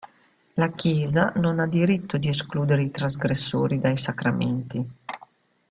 La Chiesa non ha diritto di escludere i trasgressori dai sacramenti.